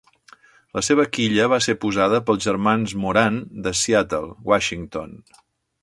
La seva quilla va ser posada pels germans Moran de Seattle, Washington.